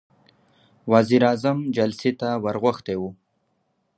وزير اعظم جلسې ته ور غوښتی و.